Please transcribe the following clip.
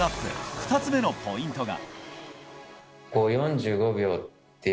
２つ目のポイントが。